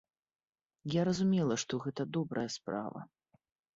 Я разумела, што гэта добрая справа.